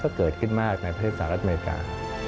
ก็เกิดขึ้นมากในประเทศสหรัฐอเมริกา